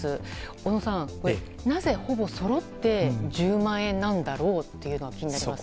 小野さん、なぜ、ほぼそろって１０万円なんだろうというのが気になります。